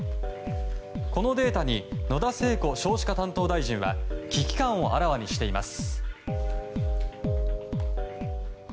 このデータに野田聖子少子化担当大臣は危機感をあらわにしています。